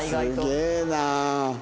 すげえなあ。